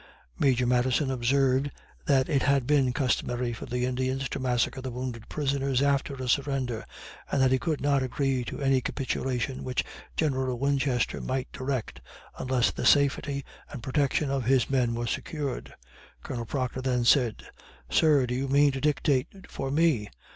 Major Madison observed "that it had been customary for the Indians to massacre the wounded prisoners after a surrender," and "that he could not agree to any capitulation which General Winchester might direct, unless the safety and protection of his men were secured." Colonel Proctor then said, "Sir, do you mean to dictate for me?"